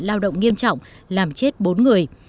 lao động nghiêm trọng làm chết bốn người